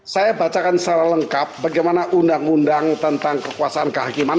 saya bacakan secara lengkap bagaimana undang undang tentang kekuasaan kehakiman